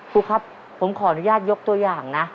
ครูครับผมขออนุญาตยกตัวอย่างนะ